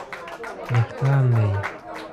_دهقان دی.